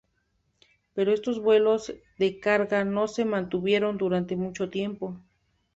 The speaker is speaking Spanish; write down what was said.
Pero estos vuelos de carga no se mantuvieron durante mucho tiempo.